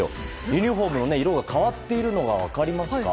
ユニホームの色が変わっているのが分かりますか？